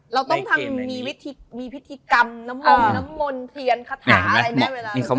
เราต้องมีวิธีการ